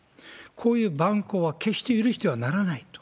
こういう蛮行は決して許してはならないと。